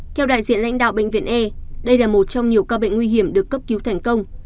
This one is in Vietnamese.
theo đại diện lãnh đạo bệnh viện e đây là một trong nhiều ca bệnh nguy hiểm được cấp cứu thành công